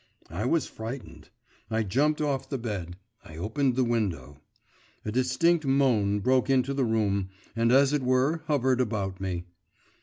I was frightened; I jumped off the bed; I opened the window. A distinct moan broke into the room and, as it were, hovered about me.